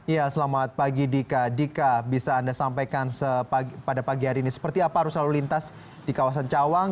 ya selamat pagi dika dika bisa anda sampaikan pada pagi hari ini seperti apa arus lalu lintas di kawasan cawang